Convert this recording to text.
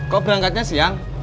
kok berangkatnya siang